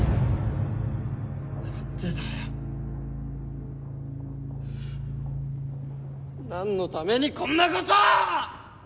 何でだよ何のためにこんなこと！